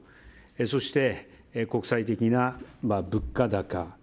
そして、国際的な物価高。